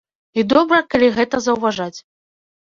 І добра, калі гэта заўважаць.